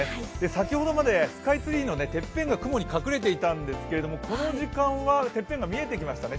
先ほどまでスカイツリーのてっぺんが雲に隠れていたんですけどこの時間はてっぺんが見えてきましたね。